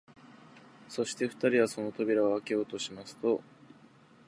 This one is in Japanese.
そして二人はその扉をあけようとしますと、